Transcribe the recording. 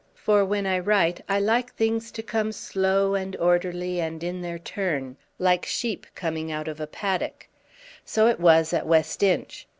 For when I write I like things to come slow and orderly and in their turn, like sheep coming out of a paddock. So it was at West Inch.